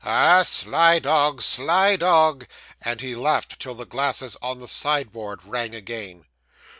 Ah, sly dog sly dog!' and he laughed till the glasses on the sideboard rang again.